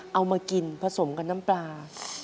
เอามากินผสมกับน้ำปลา